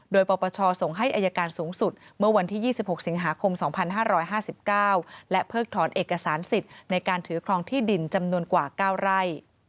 โดยปปชส่งให้อายการสูงสุดเมื่อวันที่๒๖สิงหาคม๒๕๕๙และเพิกถอนเอกสารสิทธิ์ในการถือครองที่ดินจำนวนกว่า๙ไร่